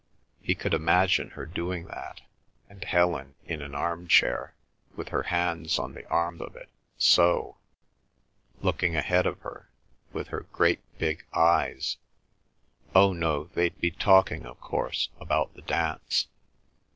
He could imagine her doing that, and Helen in an arm chair, with her hands on the arm of it, so—looking ahead of her, with her great big eyes—oh no, they'd be talking, of course, about the dance.